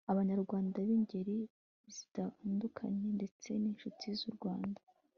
abanyarwanda b'ingeri zitandukanye ndetse n'inshuti z'u rwanda